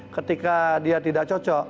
ketika dia tidak cocok